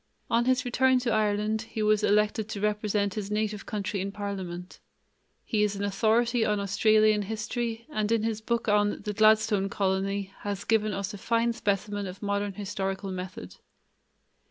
On his return to Ireland he was elected to represent his native county in parliament. He is an authority on Australian history and in his book on The Gladstone Colony has given us a fine specimen of modern historical method.